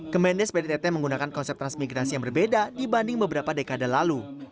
kemendes pdtt menggunakan konsep transmigrasi yang berbeda dibanding beberapa dekade lalu